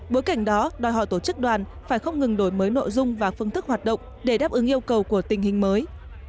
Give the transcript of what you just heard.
bối cảnh đó đòi hỏi tổ chức đoàn phải không ngừng đổi mới nội dung và phương thức hoạt động để đáp ứng yêu cầu của tình hình mới